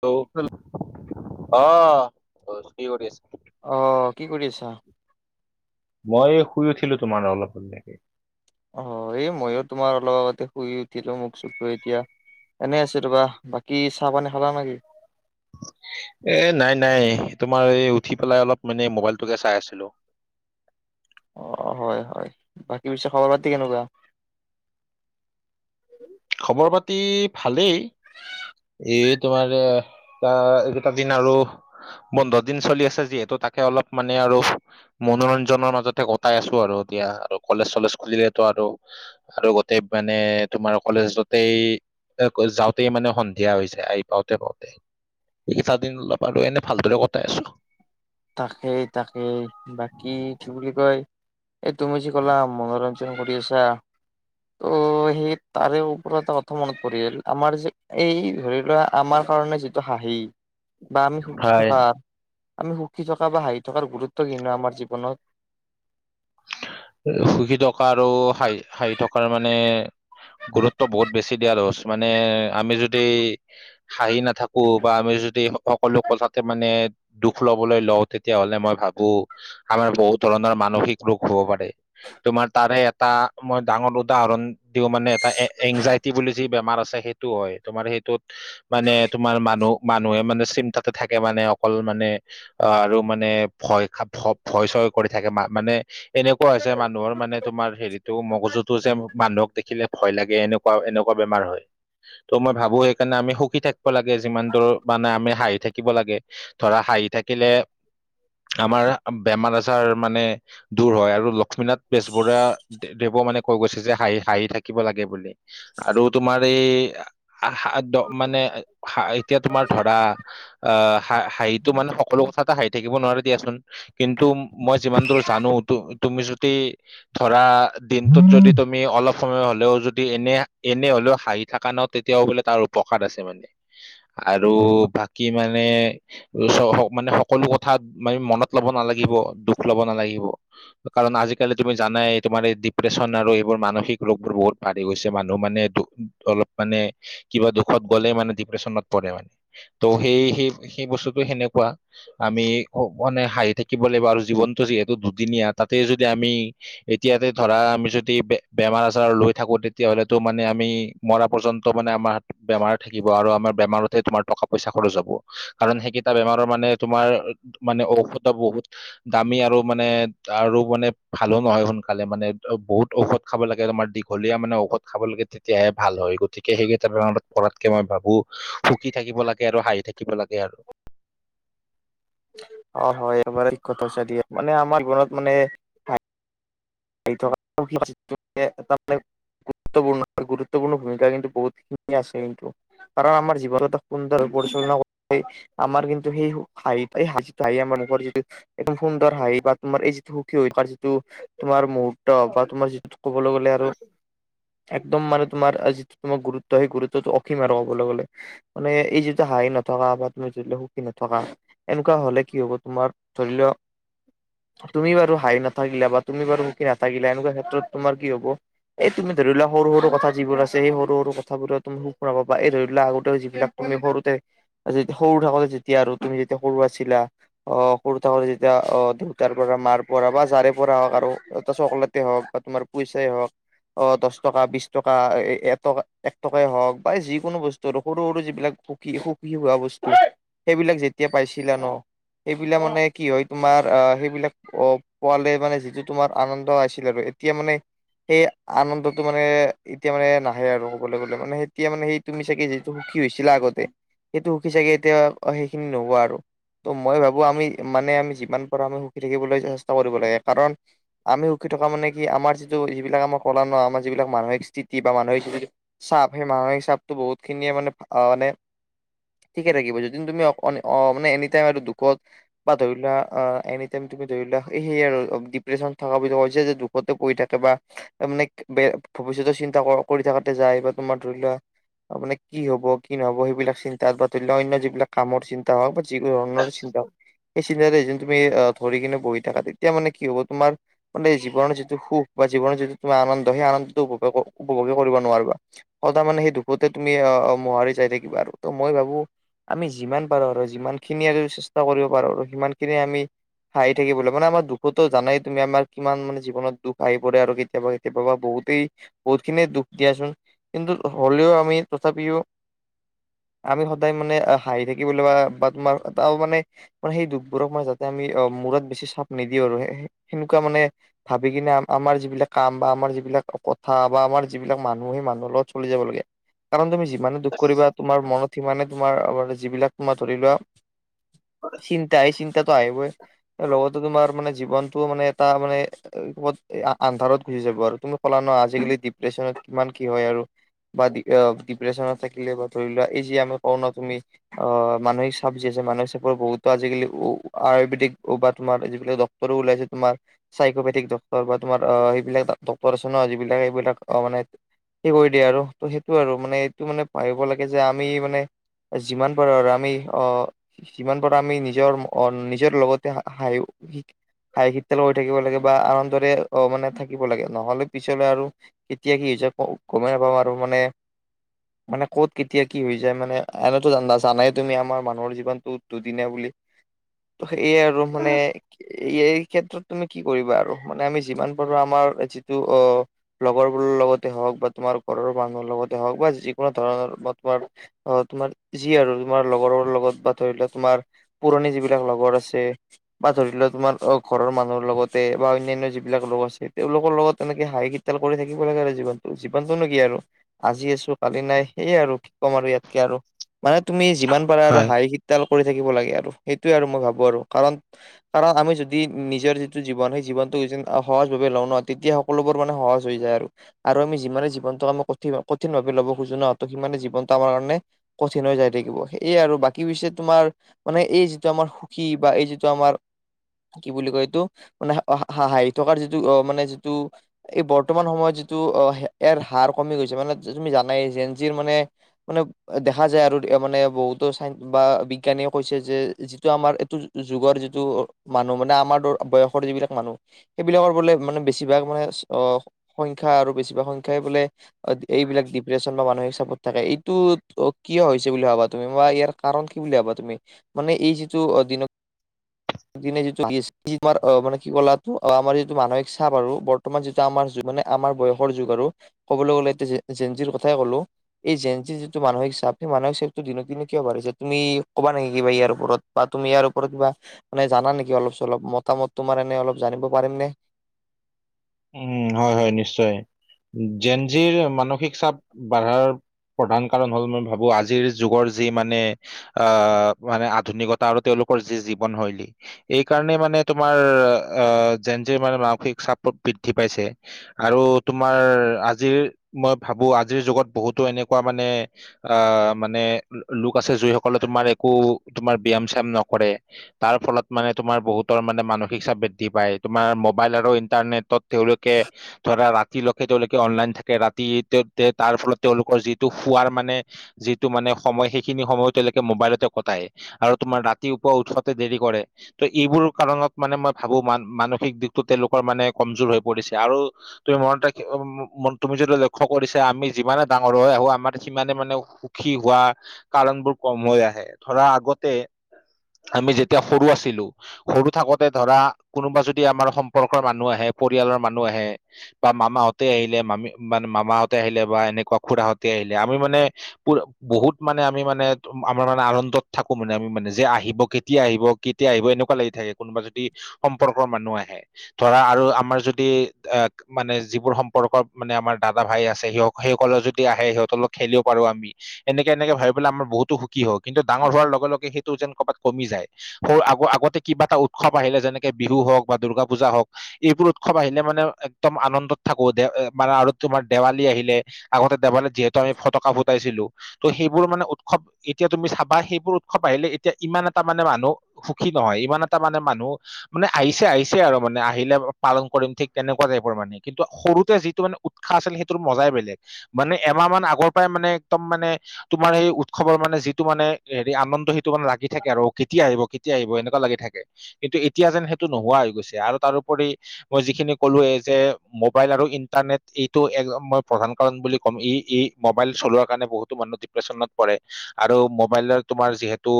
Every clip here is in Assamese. হেল্ল অ কি কৰি আছা অ কি কৰি আছা মই শুই উঠিলো তোমাৰ অলপতে অ এই মইয়ো তোমাৰ অলপ আগতে শুই উঠিলো মোক চোখ ধুই এতিয়া এনেই আছো ৰবা বাকী চাহপানী খালা নেকি এ নাই নাই তোমাৰ এই উঠি পেলাই অলপ মানে মোবাইলটোকে চাই আছিলো। অ হয় হয় বাকী পিছে খবৰ খাতি কেনেকুৱা খবৰ পাতি ভালেই এই তোমাৰ এ কিবা এইকেইটা দিন আৰু বন্ধ দিন চলি আছে যিহেতু তাকে অলপ মানে আৰু মনোৰঞ্জনৰ মাজতে কটাই আছো আৰু এতিয়া আৰু কলেজ চলেজ খুলিলেতো আৰু আৰু গোটেই মানে তোমাৰ কলেজতেই যাওঁতেই মানে দিয়া হৈ যায় আহি পাওঁতে পাওঁতে এইকেইটা দিন অলপ আৰু এনে ভালদৰে কটাই আছো তাকেই-তাকেই বাকী কি বুলি কয় এই তুমি যে ক'লা মনোৰঞ্জন কৰি আছা ত ত সেই তাৰে ওপৰত এটা অৰ্থ মনত পৰিল আমাৰ যে এই ধৰি লোৱা আমাৰ কাৰণে যি হাঁহি। বা আমি সুখী হয় থকা আমি সুখী থকা বা হাঁহি থকাৰ গুৰুত্ব কিনো আমাৰ জীৱনত সুখী থকা আৰু হহ হাঁহি থকাৰ মানে গুৰুত্ব বহুত বেছি দিয়া দশ্ট, মানে আমি যদি হাঁহি না থাকো বা আমি যদি সকলো কথাতে মানে দুখ লবলৈ, লওঁ তেতিয়াহলে মই ভাবো আমাৰ বহুত ধৰণৰ মানসিক ৰোগ হব পাৰে, তোমাৰ তাৰে এটা মই ডাঙৰ উদাহৰণ দিওঁ মানে এটা এ এংজাইটি বুলি যি বেমাৰ আছে সেইটো হয় তোমাৰ সেইটোত মানে তোমাৰ মানুহ মানুহে মানে চিন্তাতে থাকে মানে অকল মানে অ, আৰু মানে ভয় খ‌ ভয়-চয় কৰি থাকে মানে এনেকুৱা হৈছে মানুহৰ মানে তোমাৰ হেৰিতটো মগজুতটো যে মানুহক দেখিলে ভয় লাগে এনেকুৱা এনেকুৱা বেমাৰ হয় ত' মই ভাবো সেইকাৰণে আমি সুখী থাকিব লাগে, যিমান দূৰ মানে আমি হাঁহি থাকিব লাগে ধৰা হাঁহি থাকিলে, আমাৰ বেমাৰ-আজাৰ মানে দূৰ হয় আৰু লক্ষ্মীনাথ বেজবৰুৱা দেৱে মানে কৈ গৈছে যে হাঁহি থাকিব লাগে বুলি। আৰু তোমাৰ এই মানে এতিয়া তোমাৰ ধৰা আহ হাঁহিটো মানে সকলো কথাতে হাঁহি থাকিব নোৱাৰে দিয়াচোন কিন্তু মই যিমান দূৰ জানো তুমি যদি ধৰা দিনটোত যদি তুমি অলপ সময় হলেও যদি এনে, এনে হলেও হাঁহি থকা যদি তেতিয়াও বোলে তাৰ উপকাৰ আছে মানে আৰু বাকী মানে মানে সকলো কথা মানে মনত লব নালাগিব, দুখ লব নালাগিব কাৰণ আজিকালি তুমি জানাই তোমাৰ এই ডিপ্ৰেশছন আৰু এইবোৰ মানসিক ৰোগবোৰ বহুত বাঢ়ি গৈছে মানুহ মানে অলপ মানে কিবা দুখত গ'লে মানে ডিপ্ৰেশচনত পৰে মানে ত সেই, সেই সেই বস্তুটো সেনেকুৱা। আমি মানে হাঁহি থাকিব লাগিব আৰু জীৱনটো যিহেতু দুদিনীয়া তাতে যদি আমি এতিয়াতে ধৰা আমি যদি বেমাৰ আজাৰ লৈ থাকো তেতিয়াহলেতো মানে আমি মৰা পৰ্যন্ত মানে আমাৰ বেমাৰ থাকিব আৰু আমাৰ বেমাৰতহে তোমাৰ টকা পইচা খৰচ হব কাৰণ সেইকেইটা বেমাৰৰ মানে তোমাৰ মানে ঔষধ বহুত দামী আৰু মানে আৰু মানে ভালো নহয় সোনকালে, মানে বহুত ঔষধ খাব লাগে তোমাৰ দীঘলীয়া মানে ঔষধ খাব লাগে তেতিয়াহে ভাল হয়। গতিকে সেইকেইটাত পৰাতকে মই ভাবো সুখী থাকিব লাগে আৰু হাঁহি থাকিব লাগে আৰু। অ হয় [unintelligible] মানে আমাৰ জীৱনত মানে [unintelligible] গুৰুত্বপূৰ্ণ, গুৰুত্বপূৰ্ণ ভূমিকা কিন্তু বহুতখিনি আছে কিন্তু। কাৰণ আমাৰ জীৱন এটা সুন্দৰ পৰিচালনা কৰি আাৰ কিন্তু সেই হাঁহি যিটো হাঁহি আমাৰ মুখত যদি একদম সুন্দৰ হাহি বা তোমাৰ এই যিটো সুখী হৈ থকাৰ যিটো তোমাৰ মুহুৰ্ত বা তোমাৰ যিটো ক'বলৈ গ'লে আৰু, একদম মানে তোমাৰ যিটো তোমাৰ গুৰুত্ব সেই গুৰুত্বটো অসীম আৰু ক'বলৈ গ'লে। মানে এই যিটো হাঁহি নথকা বা তুমি যি সুখী নথকা। এনেকুৱা হলে কি হব তোমাৰ ধৰি লোৱা, তুমি বাৰু হাঁহি নাথাকিলে বা তুমি বাৰু সুখী নাথাকিলে এনেকুৱা ক্ষেত্ৰত তোমাৰ কি হ'ব এই তুমি ধৰি লোৱা সৰু সৰু কথা যিবোৰ আছে সেই সৰু সৰু কথাবোৰৰে তুমি সুখ নাপাবা, এই ধৰি লোৱা আগতেও যিবিলাক তুমি সৰুতে, যে সৰু থাকোঁতে যেতিয়া আৰু তুমি যেতিয়া সৰু আছিলা অ' সৰু থাকোঁতে যেতিয়া অ' দেউতাৰ পৰা, মাৰ পৰা বা যাৰে পৰা হওঁক আৰু এটা চকলেটে হওঁক বা তোমাৰ পইচাই হওঁক অ' দহ টকা, বিশ টকা, এ-এটকা এক টকাই হওঁক বা যিকোনো বছ সৰু সৰু যিবিলাক সুখী সুখী হোৱা বস্তু সেইবিলাক যেতিয়া পাইছিলা ন' সেইবিলাক মানে কি হয় তোমাৰ আ, সেইবিলাক অ' পোৱালে মানে যিটো তোমাৰ আনন্দ আছিল আৰু, এতিয়া মানে সেই আনন্দটো মানে এতিয়া মানে নাহে আৰু ক'বলৈ গ'লে মানে এতিয়া মানে সেই তুমি চাগে যিটো সুখী হৈছিলা আগতে, সেইটো সুখী চাগে এতিয়া সেইখিনি নোহোৱা আৰু। ত' মই ভাবোঁ আমি মানে আমি যিমান পাৰোঁ আমি সুখী থাকিবলৈ চেষ্টা কৰিব লাগে কাৰণ আমি সুখী থকা মানে কি আমাৰ যিটো যিবিলাক আমাৰ ক'লা ন' আমাৰ যিবিলাক মানসিক স্থিতি বা মানসিক যিটো চাপ, সেই মাহসিক চাপটো বহুত খিনিয়ে মানে আ, মানে ঠিকে থাকিব যদিন তুমি অ-অ' মানে এনি টাইম আৰু দুখত বা ধৰিলোৱা আ, এনি টাইম তুমি ধৰি লোৱা সে আৰু ডিপ্ৰেছনত থকা বুলি কয় যে, যে দুখতে পৰি থাকে বা মানে বে-ভৱিষ্যতৰ চিন্তা ক-কৰি থকাতে যায় বা তোমাৰ ধৰি লোৱা মানে কি হ'ব, কি নহ'ব, সেইবিলাক চিন্তাত বা ধৰি লোৱা অন্য যিবিলাক কামৰ চিন তা হওঁক বা যিকোনো ধৰণৰ চিন্তা হওঁক, এই চিন্তাতে যে তুমি আ, ধৰি কিনে বহি থাকা তেতিয়া মানে কি হ'ব তোমাৰ মানে জীৱনৰ যিটো সুখ বা জীৱনৰ যিটো তোমাৰ আনন্দ সেই আনন্দটো উপভ-উপভোগে কৰিব নোৱাৰিবা। সদাই মানে সেই দুখতে তুমি আ, মোহাৰি যায় থাকিবা আৰু, ত' মই ভাবোঁ আমি যিমান পাৰোঁ আৰু, যিমানখিনি আমি চেষ্টা কৰিব পাৰোঁ আৰু, সিমানখিনি আমি হাই থাকিবলৈ, মানে আমাৰ দুখতো জানাই তুমি আমাৰ কিমান মানে জীৱনত দুখ আহি পৰে আৰু কেতিয়াবা কেতিয়াবা বা বহুতেই বহুতখিনিয়েই দুখ দিয়াচোন কিন্তু হ'লেও আমি তথাপিও আমি সদায় মানে হাঁহি থাকিবলৈ বা বা তোমাৰ এটা মানে মানে সেই দুখবোৰক মানে যাতে আমি আ, মূৰত বেছি চাপ নিদিওঁ আৰু সেনেকুৱা মানে ভাবি কিনে আমাৰ যিবিলাক কাম বা আমাৰ যিবিলাক কথা বা আমাৰ যিবিলাক মানুহ, সেই মানুহৰ লগত চলি যাব লাগে। কাৰণ তুমি যিমানে দুখ কৰিবা তোমাৰ মনত সিমানে তোমাৰ, যিবিলাক তোমাৰ ধৰি লোৱা চিন্তা, এই চিন্তাটো আহিবই, লগতে তোমাৰ মানে জীৱন টো মানে এটা মানে ক'ৰবাত আন্ধাৰত গুচি যাব আৰু, তুমি কলা ন' আজিকালি ডিপ্ৰেচনত কিমান কি হয় আৰু। বা ডি অ' ডিপ্ৰেচনত থাকিলে বা ধৰি লোৱা এই যি আমি কওঁ ন' তুমি অ' মানসিক চাপ যি আছে, মানসিক চাপৰ বহুতো আজিকালি উ, আয়ুৰ্বেদিক বা তোমাৰ আজিকালি পৰো উলাইছে। তোমাৰ চাইকপেথিক ডক্টৰ বা তোমাৰ অ' সেইবিলাক ডক্টৰ আছে ন' যিবিলাক এইবিলাক অ' মানে সে কৰি দিয়ে আৰু ত' সেইটো আৰু মানে এইটো মানে ভাবিব লাগে যে আমি মানে যিমান পাৰোঁ আৰু আমি অ' যিমান পৰা আমি নিজৰ অ' নিজৰ লগতে হা, হাঁহি [unintelligible] [unintelligible] থাকিব লাগে বা আনন্দ দৰে অ' মানে থাকিব লাগে নহ'লে পিছলে আৰু কেতিয়া কি হৈছে গ-গ'মেই নাপাওঁ আৰু মানে। [inaudible] মানে ক'ত কেতিয়া কি হৈ যায় মানে, এনেতো না-জানাই তুমি আমাৰ মানুহৰ জীৱনটো দুদিনীয়া বুলি। ত' এইয়াই আৰু মানে এইয়াৰ ক্ষেত্ৰত তুমি কি কৰিবা আৰু মানে আমি যিমান পাৰো আমাৰ যিটো অঁ লগৰবোৰৰ লগতে হওঁক বা তোমাৰ ঘৰৰ মানুহৰ লগতে হওঁক বা যিকোনো ধৰণৰ বা তোমাৰ অঁ' তোমাৰ যি আৰু তোমাৰ লগৰৰ লগত বা ধৰি লোৱা তোমাৰ পুৰণি যিবিলাক লগৰ আছে বা ধৰি লোৱা তোমাৰ অঁ' ঘৰৰ মানুহ লগতে বা অন্যানয় যিবিলাক লোক আছে তেওঁলোকৰ লগত তেনেকে হাঁহি ইতাল কৰি থাকিব লাগে আৰু জীৱন। জিৱনটোনো কি আৰু আজি আছো কালি নাই, সেইয়াই আৰু কি ক'ম আৰু ইয়াতকে আৰু। মানে তুমি যিমান পাৰা আৰু হয় হাঁহি কিতাল কৰি থাকিব লাগে আৰু, সেইটোৱে আৰু মই ভাবো আৰু, কাৰণ কাৰণ আমি যদি নিজৰ যি জীৱন সেই জৱনটো যেন সহজ ভাৱে লওঁ ন তেতিয়া সকলোবোৰ মানে সহজ হৈ যায় আৰু। আৰু আমি যিমানে জীৱনটোক আমি কঠ কঠিন ভাৱে ল'ব খোজো ত' সিমানে জীৱনটো আমাৰ কাৰণে কঠিন হৈ যায় থাকিব। এইয়াই আৰু বাকী পিছে তোমাৰ মানে এই যিটো আমাৰ সুখী বা এই যিটো আমাৰ কি বুলি কয় এইটো মানে হা হাঁহি থকাৰ যিটো অঁ' মানে যিটো এই বৰ্তমান সময়ত যিটো অঁ' ইয়াৰ হাৰ কমি গৈছে মানে তুমি জানাই জেঞ্চিৰ মানে মানে দেখা যায় আৰু মানে বহুতো চাই বা বিজ্ঞানীয়ে কৈছে যে যিটো আমাৰ এইটো যুগৰ যিটো মানুহ মানে আমাৰ বয়সৰ যিবিলাক মানুহ সেইবিলাকৰ বোলে মানে বেছিভাগ মানে সংখ্যা আৰু বেছিভাগ সংখ্যাই বোলে এইবিলাক ডিপ্ৰেশ্যন বা মানসিক চাপত থাকে। এইটো অঁ' কিয় হৈছে বুলি ভাবা তুমি বা ইয়াৰ কাৰণ কি বুলি ভাবা তুমি? মানে এই যিটো অঁ দিনক দিনে যিটো [unintelligible] অঁ' মানে কি ক'লাটো আমাৰ যিটো মানসিক চাপ আৰু বৰ্তমান যিটো আমাৰ যুগ মানে আমাৰ বয়সৰ যুগ আৰু ক'বলৈ গ'লে এতিয়া জেনজিৰ কথাই ক'লো এই জেনজিৰ যিটো মানসিক চাপ। সেই মানসিক চাপটো দিনক দিনে কিয় বাঢ়িছে তুমি কবা নেকি কিবা ইয়াৰ ওপৰত? বা তুমি ইয়াৰ ওপৰত কিবা মানে জানা নেকি অলপ চলপ মতামত তোমাৰ এনে অলপ জানিব পাৰিম নে? উমঁ' হয় হয় নিশ্চয়, জেন জিৰ মানসিক চাপ বাধাৰ প্ৰধান কাৰণ হ'ল মই ভাবো আজিৰ যুগৰ যি মানে আহ' মানে আধুনিকতা আৰু তেওঁলোকৰ যি জীৱনশৈলী। এই কাৰণেই মানে তোমাৰ যেনজিৰ মানে মানসিক চাপত বৃদ্ধি পাইছে। আৰু তোমাৰ আজিৰ মই ভাবো আজিৰ যুগত বহুতো এনেকুৱা মানে আহ' মানে লোক আছে যিসকলে তোমাৰ একো তোমাৰ ব্যায়াম চিয়াম নকৰে। তাৰ ফলত মানে তোমাৰ বহুতৰ মানে মানসিক চাপ বৃদ্ধি পায়। তোমাৰ মোবাইল আৰু ইণ্টাৰনেট তত তেওঁলোকে ধৰা ৰাতিলৈকে তেওঁলোকে অনলাইন থাকে, ৰাতি তেওঁ তাৰ ফলত তেওঁলোকৰ যিটো শুৱাৰ মানে যিটো মানে সময় সেইখিনি সময়ো তেওঁলোকে মোবাইলতে কটায়। আৰু তোমাৰ ৰাতিপুৱা উঠোঁতে দেৰি কৰে। ত' এইবোৰ কাৰণত মানে মই ভাবো মান মানসিক দিশটো তেওঁলোকৰ মানে কমজোৰ হৈ পৰিছে আৰু তুমি মনতে, তুমি যদি লক্ষ্য কৰিছা আমি যিমানে ডাঙৰ হৈ আহো আমাৰ সিমানে মানে সুখী হোৱা কাৰণবোৰ কম হৈ আহে। ধৰা আগতে আমি যেতিয়া সৰু আছিলো। সৰু থাকোতে ধৰা কোনোবা যদি আমাৰ সম্পৰ্কৰ মানুহ আহে, পৰিয়ালৰ মানুহ আহে বা মামাহঁতে আহিলে, মামি মানে মামাহঁতে আহিলে বা এনেকুৱা খুৰাহঁতে আহিলে আমি মানে বহুত মানে আমি মানে আমাৰ মানে আনন্দত থাকো মানে আমি মানে যে আহিব কেতিয়া আহিব কেতিয়া আহিব এনেকুৱা লাগি থাকে। কোনোবা যদি সম্পৰ্কৰ মানুহ আহে, ধৰা আৰু আমাৰ যদি আক মানে যিবোৰ সম্পৰ্ক মানে আমাৰ দাদা ভাই আছে। সি সেইসকললে যদি আহে, সিহঁতৰ লগ খেলিব পাৰো। আমি এনেকে এনেকে ভাবিবেলাই আমাৰ বহুতো সুখী হয়। কিন্তু ডাঙৰ হোৱাৰ লগে-লগে সেইটো যেন ক'ৰবাত কমি যায়। সউ আগ-আগতে কিবা এটা উৎসৱ আহিলে, যেনেকে বিহু হওক বা দূৰ্গা পূজা হওক এইবোৰ উৎসৱ আহিলে মানে একদম আনন্দত থাকো দে মানে আৰু তোমাৰ দেৱালী আহিলে। আগতে দেবালিত যিহেতু আমি ফটকা ফুটাইছিলো। ত', সেইবোৰ মানে উৎসৱ এতিয়া তুমি চাবা সেইবোৰ উৎসৱ আহিলে। এতিয়া ইমান এটা মানে মানুহ সুখী নহয়। ইমান এটা মানে মানুহ মানে আহিছে-আহিছে আৰু মানে আহিলে পালন কৰিম ঠিক তেনেকুৱা টাইপৰ মানে, কিন্তু সৰুতে যিটো মানে উৎসাহ আছিল। সেইটো মজাই বেলেগ। মানে এমাহ মান আগৰ পৰাই মানে একদম মানে তোমাৰ এই উৎসৱৰ মানে যিটো মানে হেৰি আনন্দি মানে লাগি থাকে। অ, কেতিয়া আহিব। কেতিয়া আহিব। এনেকুৱা লাগি থাকে। কিন্তু এতিয়া যেন সেইটো নোহোৱা হৈ গৈছে। আৰু তাৰোপৰি মই যিখিনি কলোৱে যে মোবাইল আৰু ইণ্টাৰনেট এইটো এক মই প্ৰধান কাৰণ বুলি ক'ম। ই মোবাইল চলোৱাৰ কাৰণে বহুতো মানুহ দিপ পেচনত পৰে। আৰু মোবাইলৰে তোমাৰ যিহেতু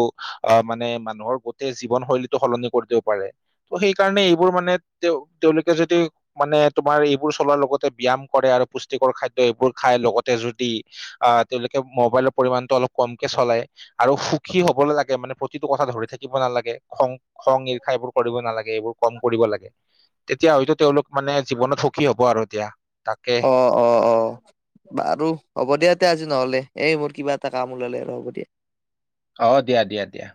অ, মানে মানুহৰ গোটেই জীৱনশৈলীটো সলনি কৰি দিব পাৰে। ত', সেইকাৰণে এইবোৰ মানে তেওঁ তেওঁলোকে যদি মানে তোমাৰ এইবোৰ চলোৱাৰ লগতে ব্যায়াম কৰে, আৰু পুষ্টিকৰ খাদ্য এইবোৰ খাই লগতে যদি আহ তেওঁলোকে মোবাইলৰ পৰিমণটো অলপ কমকে চলাই। আৰু সুখী হবলৈ লাগে, মানে প্ৰতিটো কথা ধৰি থাকিব নালাগে। খং খং ঈৰ্ষা এইবোৰ কৰিব নালাগে। এইবোৰ কম কৰিব লাগে। তেতিয়া হয়তো তেওঁলোক মানে জীৱনত সুখী হ'ব আৰু এতিয়া তাকে অ', অ, অ, বাৰু হ'ব দিয়া এটা আজি নহলে। এই মোৰ কিবা এটা কাম ওলালে আৰু হ'ব দিয়া। অ', দিয়া। দিয়া। দিয়া।